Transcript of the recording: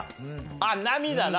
あっ涙な。